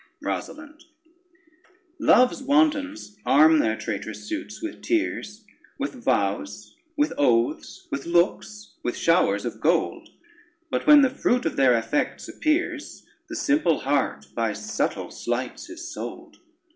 ROSALYNDE Love's wantons arm their trait'rous suits with tears, With vows, with oaths, with looks, with showers of gold; But when the fruit of their affects appears, The simple heart by subtle sleights is sold.